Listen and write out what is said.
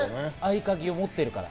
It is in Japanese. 合鍵を持ってるから。